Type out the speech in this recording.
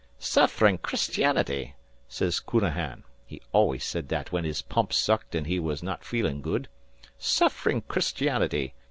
"'Sufferin' Christianity!' sez Counahan (he always said that whin his pumps sucked an' he was not feelin' good) 'Sufferin' Christianity!'